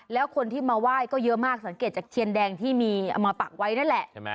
แล้วคนที่มาไหว้ก็เยอะมากสังเกตจากเทียนแดงที่มีเอามาปักไว้นั่นแหละใช่ไหม